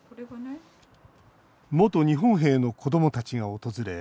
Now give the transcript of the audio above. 元日本兵の子どもたちが訪れ